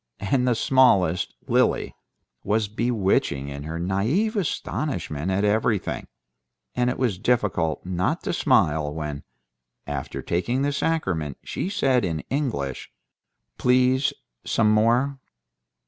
And the smallest, Lily, was bewitching in her naïve astonishment at everything, and it was difficult not to smile when, after taking the sacrament, she said in English, "Please, some more."